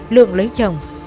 lượng lấy chồng